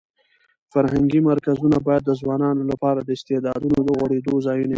فرهنګي مرکزونه باید د ځوانانو لپاره د استعدادونو د غوړېدو ځایونه وي.